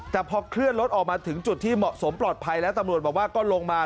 แต่พอเคลื่อนรถออกมาถึงจุดที่เหมาะสมปลอดภัยแล้วตำรวจบอกว่าก็ลงมา